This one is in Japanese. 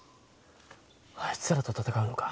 あいつらと戦うのか？